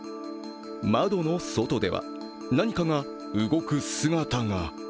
窓の外では何かが動く姿が。